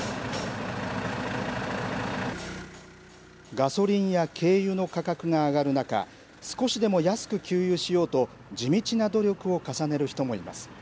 ガソリンや軽油の価格が上がる中、少しでも安く給油しようと、地道な努力を重ねる人もいます。